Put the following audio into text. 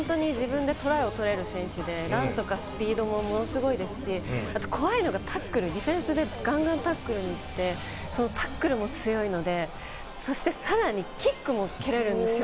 自分でトライを取れる選手で、なんとかスピードもものすごいですし、怖いのがタックル、ディフェンスでガンガン、タックルに行って、タックルも強いので、さらにキックも蹴れるんですよ。